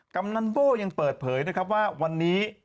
กำนันโบ่ยังเปิดเพื่อยว่าวันนี้